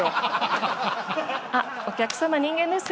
あっお客さま人間です。